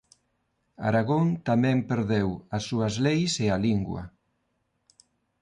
Aragón tamén perdeu as súas leis e a lingua.